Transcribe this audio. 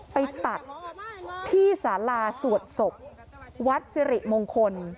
ไปตัดที่สาราสวดศพวัดสิริมงคล